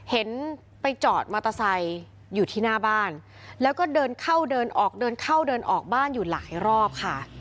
เห็นไปจอดมอเตอร์ไซค์อยู่ที่หน้าบ้านแล้วก็เดินเข้าเดินออกเดินเข้าเดินออกบ้านอยู่หลายรอบค่ะ